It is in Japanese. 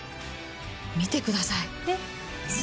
見てください。